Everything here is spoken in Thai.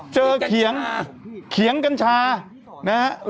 เจอเขียงเขียงกัญชานะครับ